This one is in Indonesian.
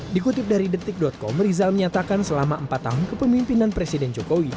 dikutip dari detik com rizal menyatakan selama empat tahun kepemimpinan presiden jokowi